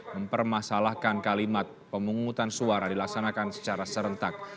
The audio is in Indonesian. mempermasalahkan kalimat pemungutan suara dilaksanakan secara serentak